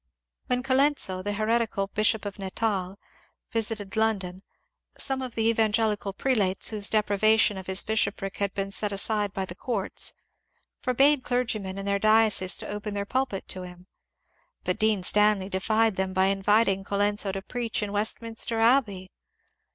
When Colenso, the heretical Bishop of Natal, visited Lon don, some of the evangelical prelates, whose deprivation of his bishopric had been set aside by the courts, forbade clergy men in their dioceses to open their pulpit to him. But Dean Stanley defied them by inviting Colenso to preach in West minster Abbey.